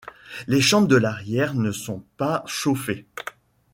Les chambres de l’arrière ne sont pas chauffées.